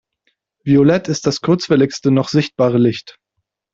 Violett ist das kurzwelligste noch sichtbare Licht.